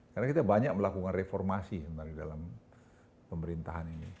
karena kita banyak melakukan reformasi sebenarnya dalam pemerintahan ini